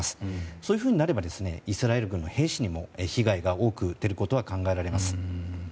そういうふうになればイスラエルの兵士にも被害が多く出ることが考えられます。